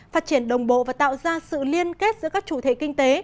phát triển đồng bộ và tạo ra sự liên kết giữa các chủ thể kinh tế